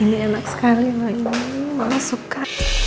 ini enak sekali ma ini mama suka